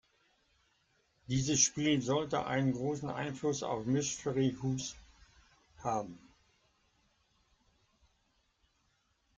Dieses Spiel sollte einen großen Einfluss auf "Mystery House" haben.